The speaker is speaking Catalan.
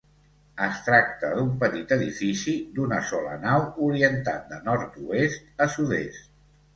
Es tracta d'un petit edifici d'una sola nau, orientat de nord-oest a sud-est.